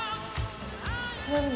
ちなみに。